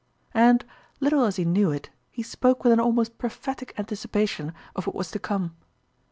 " And, little as he knew it, he spoke with an almost prophetic anticipation of what was to come.